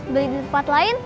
beli di tempat lain